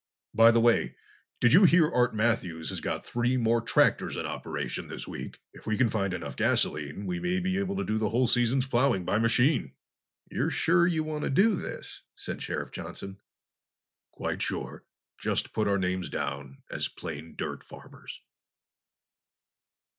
By the way, did you hear Art Matthews has got three more tractors in operation this week? If we can find enough gasoline we may be able to do the whole season's plowing by machine." "You're sure you want to do this?" said Sheriff Johnson. "Quite sure. Just put our names down as plain dirt farmers."